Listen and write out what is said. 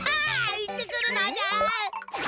行ってくるのじゃ！